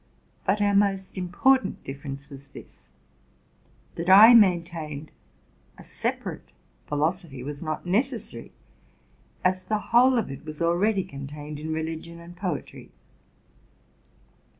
But our most important difference was this: that I maintained a separate philosophy was not ne cessary, as the whole of it was already contained in religion and poetry.